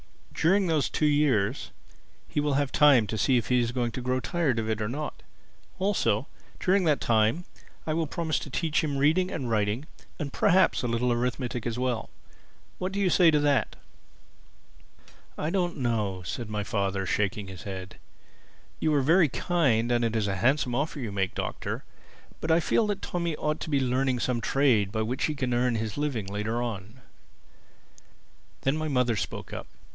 During those two years he will have time to see if he is going to grow tired of it or not. Also during that time, I will promise to teach him reading and writing and perhaps a little arithmetic as well. What do you say to that?" "I don't know," said my father, shaking his head. "You are very kind and it is a handsome offer you make, Doctor. But I feel that Tommy ought to be learning some trade by which he can earn his living later on." Then my mother spoke up.